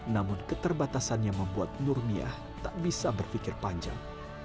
namun keterbatasan yang membuat nurnia tak bisa berpikir panjang